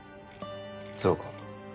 そうか。